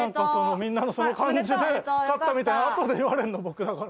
みんなのその感じで勝ったみたいなのあとで言われるの僕だから。